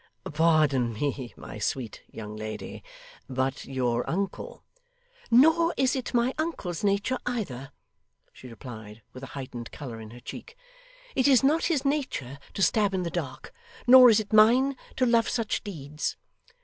'Pardon me, my sweet young lady, but your uncle ' 'Nor is it my uncle's nature either,' she replied, with a heightened colour in her cheek. 'It is not his nature to stab in the dark, nor is it mine to love such deeds.